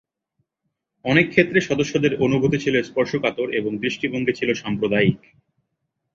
অনেক ক্ষেত্রে সদস্যদের অনুভূতি ছিল স্পর্শকাতর এবং দৃষ্টিভঙ্গি ছিল সাম্প্রদায়িক।